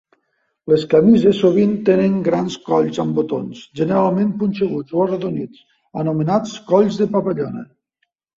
Les camises sovint tenien grans colls amb botons, generalment punxeguts o arrodonits, anomenats colls de papallona.